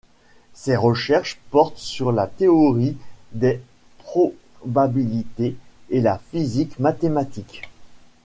Ses recherches portent sur la théorie des probabilités et la physique mathématique.